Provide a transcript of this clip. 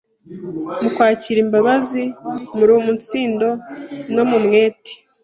mu kwakirana imbabazi, mu ruumunsindo no mu mwete